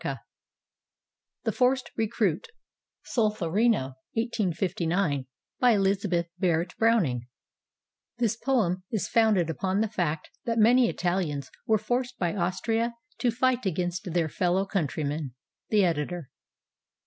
} THE FORCED RECRUIT Solferino, iS^g BY ELIZABETH BARRETT BROWNING [This poem is founded upon the fact that many Italians were forced by Austria to fight against their fellow countrymen. The Editor.